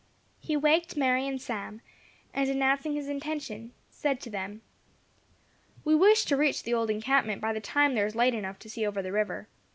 He waked Mary and Sam, and announcing his intention, said to them: "We wish to reach the old encampment by the time there is light enough to see over the river.